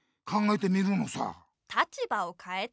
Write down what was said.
「立場をかえて」？